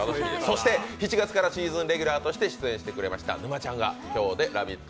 そして７月からシーズンレギュラーとして出演してくれました沼ちゃんが今日で「ラヴィット！」